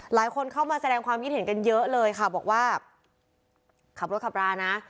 หลายคนเข้ามาแสดงความคิดเห็นกันเยอะเลยค่ะบอกว่าขับรถขับรานะ